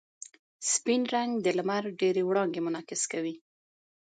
سپین رنګ د لمر ډېرې وړانګې منعکس کوي.